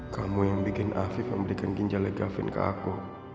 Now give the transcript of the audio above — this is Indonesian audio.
kamu yang bikin afif memberikan ginjalnya gavin ke aku